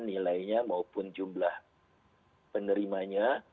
nilainya maupun jumlah penerimanya